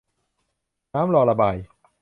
น้ำรอระบาย